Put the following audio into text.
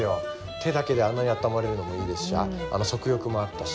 手だけであんなにあったまれるのもいいですし足浴もあったし。